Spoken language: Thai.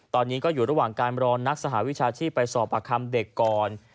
ตอนนี้ก็อยู่ระหว่างการรอนักสหวิชาชีพไปสอบประคัมเด็กก่อน